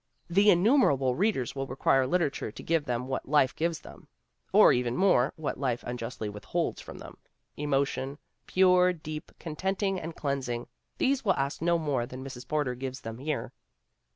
The innumerable readers who require literature to give them what life gives them (or even more, what life unjustly withholds from them) emotion, pure, deep, contenting and cleansing these will ask no more than Mrs. Porter gives them here.